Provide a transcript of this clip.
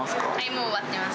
もう終わってます！